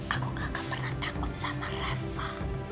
aku gak pernah takut sama reva